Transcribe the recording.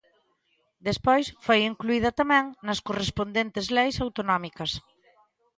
Despois foi incluída tamén nas correspondentes leis autonómicas.